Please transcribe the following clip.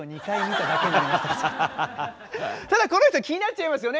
ただこの人気になっちゃいますよね。